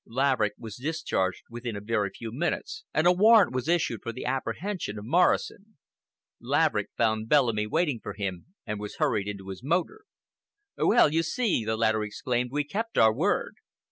Laverick was discharged within a very few minutes, and a warrant was issued for the apprehension of Morrison. Laverick found Bellamy waiting for him, and was hurried into his motor. "Well, you see," the latter exclaimed, "we kept our word!